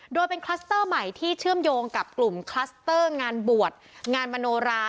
โดยเป็นคลัสเตอร์ใหม่ที่เชื่อมโยงกับกลุ่มคลัสเตอร์งานบวชงานมโนรา